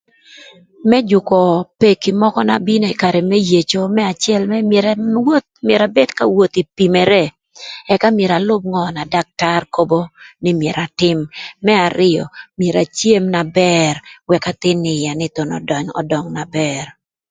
Më jükö peki mökö na bino ï karë më yeco më acël mërë myero awoth abed ka woth ka pimere ëka myero alüb ngö na daktar köbö nï myero atïm, më arïö myero acem na bër ëk athïn nï ïya ni thon ödöng na bër.